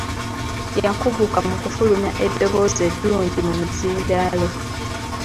Yakuguka mu kufulumya eddoboozi eddungi mu mizindaalo.